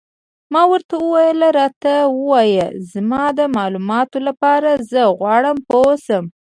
ما ورته وویل: راته ووایه، زما د معلوماتو لپاره، زه غواړم پوه شم.